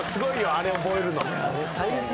あれ覚えるの。